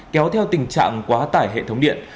kéo theo tình trạng quá tải hệ thống điện